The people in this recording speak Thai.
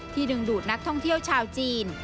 ดึงดูดนักท่องเที่ยวชาวจีน